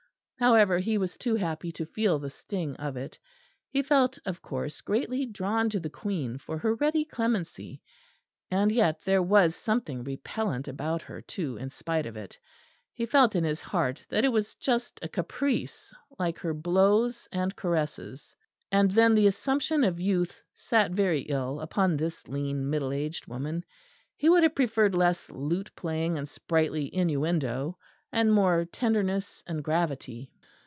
However, he was too happy to feel the sting of it. He felt, of course, greatly drawn to the Queen for her ready clemency; and yet there was something repellent about her too in spite of it. He felt in his heart that it was just a caprice, like her blows and caresses; and then the assumption of youth sat very ill upon this lean middle aged woman. He would have preferred less lute playing and sprightly innuendo, and more tenderness and gravity.